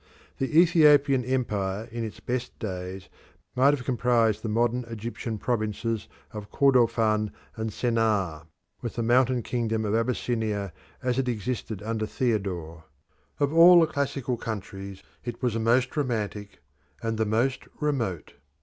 The Ethiopian empire in its best days might have comprised the modern Egyptian provinces of Kordofan and Sennaar, with the mountain kingdom of Abyssinia as it existed under Theodore. Of all the classical countries it was the most romantic and the most remote.